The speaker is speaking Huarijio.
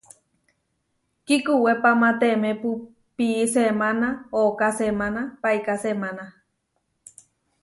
Kíkuwépamatemepu pií semána ooká semána paiká semána.